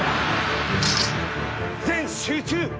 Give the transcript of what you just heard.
全集中！